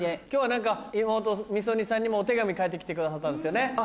今日は何か妹のｍｉｓｏｎｉさんにもお手紙書いて来てくださったんですよね？